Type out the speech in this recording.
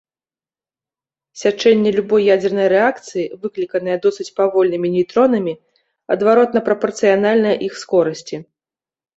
Сячэнне любой ядзернай рэакцыі, выкліканае досыць павольнымі нейтронамі, адваротна прапарцыянальнае іх скорасці.